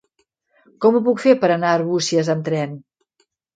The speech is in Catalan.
Com ho puc fer per anar a Arbúcies amb tren?